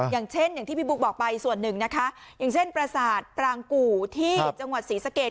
อย่างเช่นอย่างที่พี่บุ๊คบอกไปส่วนหนึ่งนะคะอย่างเช่นประสาทปรางกู่ที่จังหวัดศรีสะเกด